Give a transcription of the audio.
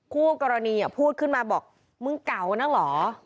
ผู้กรณีอ่ะพูดขึ้นมาบอกมึงเกาะนั้นเหรอ